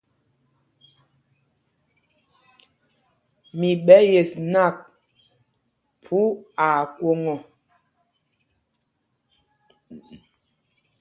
Mi ɓɛ̄ yes nak, phu aa kwoŋ ɔ.